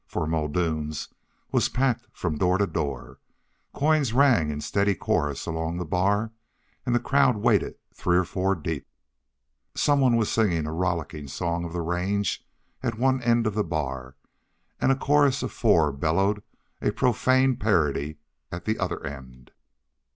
For Muldoon's was packed from door to door. Coins rang in a steady chorus along the bar, and the crowd waited three and four deep. Someone was singing a rollicking song of the range at one end of the bar, and a chorus of four bellowed a profane parody at the other end.